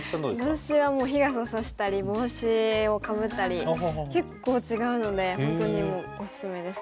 私はもう日傘差したり帽子をかぶったり結構違うので本当におすすめですね。